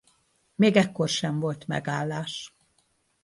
Még ekkor sem volt megállás.